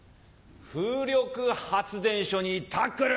風力発電所にタックル！